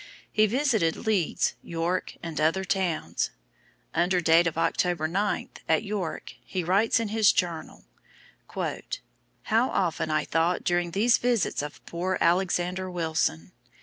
He visited Leeds, York, and other towns. Under date of October 9, at York, he writes in his journal: "How often I thought during these visits of poor Alexander Wilson.